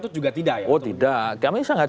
itu juga tidak oh tidak kami sangat